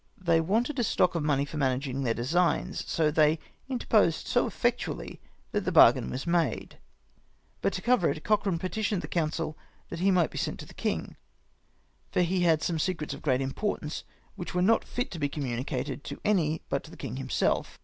They wanted a stock of money for managing their designs, so they inter posed so effectually that the bargain was made. But to * Oria; inal note. 30 ACCOUNT OF THE DUXDOXALD FAMILY. cover it, Cochran petitioned the council that he might be sent to the king ; for he had some secrets of great importance which were not fit to be communicated to any but to the king himself.